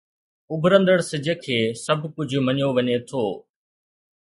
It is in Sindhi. اڀرندڙ سج کي سڀ ڪجهه مڃيو وڃي ٿو.